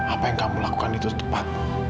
apa yang kamu lakukan itu tepat